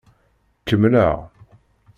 Kemmleɣ.